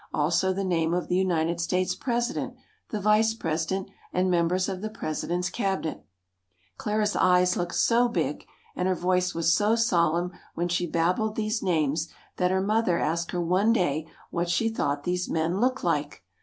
Also the name of the United States' president, the vice president, and members of the president's cabinet. Clara's eyes looked so big, and her voice was so solemn when she babbled these names that her mother asked her one day what she thought these men looked like.